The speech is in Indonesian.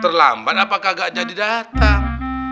terlambat apakah gak jadi datang